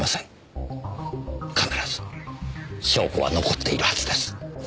必ず証拠は残っているはずです。